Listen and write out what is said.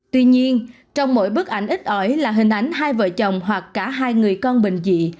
tuy nhiên trong mỗi bức ảnh ít ỏi là hình ảnh hai vợ chồng hoặc cả hai người con bình dị